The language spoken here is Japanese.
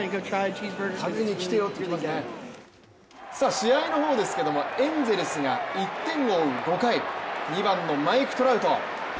試合の方ですけれども、エンゼルスが１点を追う５回、２番のマイク・トラウト。